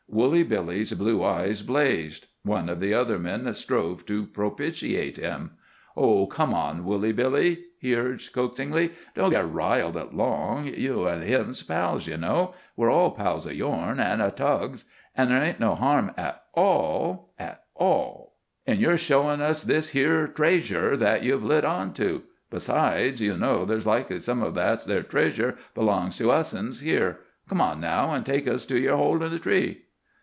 Woolly Billy's blue eyes blazed. One of the other men strove to propitiate him. "Oh, come on, Woolly Billy," he urged coaxingly, "don't git riled at Long. You an' him's pals, ye know. We're all pals o' yourn, an' of Tug's. An' there ain't no harm at all, at all, in yer showin' us this 'ere traysure what you've lit on to. Besides, you know there's likely some o' that there traysure belongs to us 'uns here. Come on now, an' take us to yer hole in the tree."